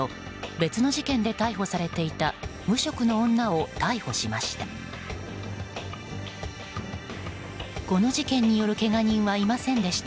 別の事件で逮捕されていた無職の女を逮捕しました。